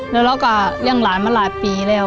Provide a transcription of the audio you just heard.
แล้วเราก็เลี้ยงหลานมาหลายปีแล้ว